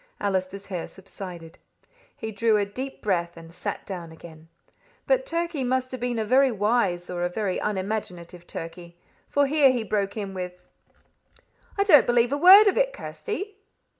Allister's hair subsided. He drew a deep breath, and sat down again. But Turkey must have been a very wise or a very unimaginative Turkey, for here he broke in with "I don't believe a word of it, Kirsty."